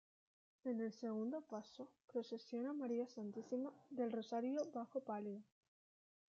En el segundo paso procesiona María Santísima del Rosario bajo palio.